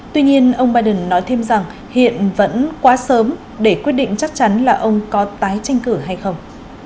tuy nhiên ông biden nói thêm rằng hiện vẫn quá sớm để quyết định chắc chắn là ông có tái tranh cử hay không